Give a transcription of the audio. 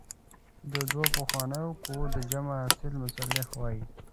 د دوو پخوانیو قوو د جمع حاصل محصله وايي.